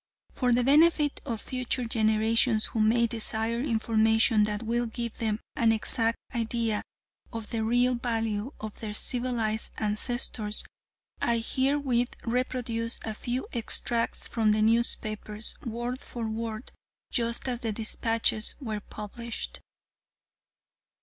For the benefit of future generations who may desire information that will give them an exact idea of the real value of their civilized ancestors, I herewith reproduce a few extracts from the newspapers, word for word, just as the despatches were published.